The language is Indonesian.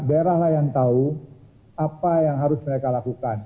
daerah lah yang tahu apa yang harus mereka lakukan